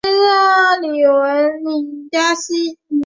李嘉文。